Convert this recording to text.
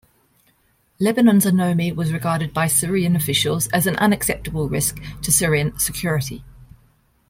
Lebanon's anomie was regarded by Syrian officials as an unacceptable risk to Syrian security.